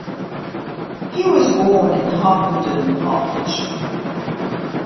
He was born in Harpenden, Hertfordshire.